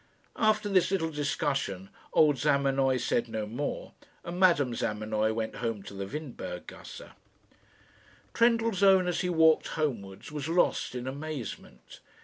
After this little discussion old Zamenoy said no more, and Madame Zamenoy went home to the Windberg gasse. Trendellsohn, as he walked homewards, was lost in amazement.